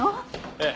ええ。